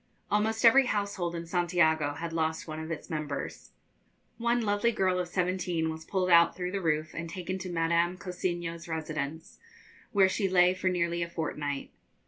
Almost every household in Santiago had lost one of its members. One lovely girl of seventeen was pulled out through the roof and taken to Madame Cousiño's residence, where she lay for nearly a fortnight.